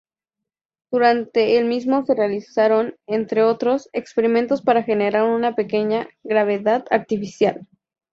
Durante el mismo se realizaron, entre otros, experimentos para generar una pequeña gravedad artificial.